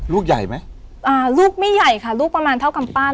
ลูกไม่ใหญ่ค่ะลูกประมาณเท่ากับป้าน